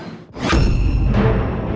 tante sarah juga disana